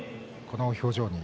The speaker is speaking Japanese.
この表情に。